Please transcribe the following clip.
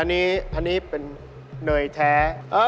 อันนี้อันนี้เป็นเนยแท้